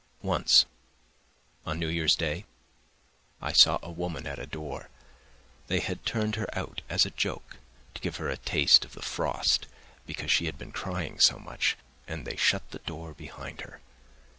Once, one New Year's Day, I saw a woman at a door. They had turned her out as a joke, to give her a taste of the frost because she had been crying so much, and they shut the door behind her.